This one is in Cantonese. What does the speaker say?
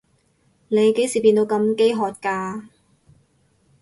你幾時變到咁飢渴㗎？